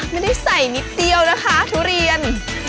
ไม่ได้ใส่นิดเดียวนะคะทุเรียน